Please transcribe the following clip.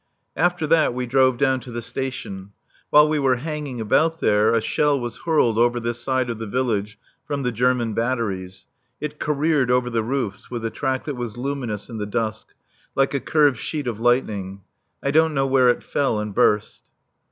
After that we drove down to the station. While we were hanging about there, a shell was hurled over this side of the village from the German batteries. It careered over the roofs, with a track that was luminous in the dusk, like a curved sheet of lightning. I don't know where it fell and burst.